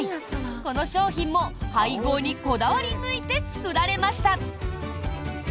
この商品も配合にこだわり抜いて作られました。